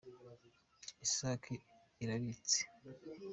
Isake irabitse.